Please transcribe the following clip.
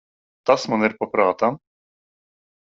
Tas man ir pa prātam.